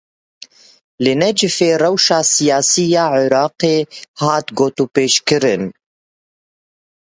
Li Necefê rewşa siyasî ya Iraqê hat gotûbêjkirin.